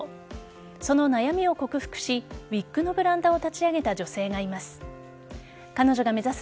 その悩みを克服しウィッグのブランドを立ち上げた女性がいます。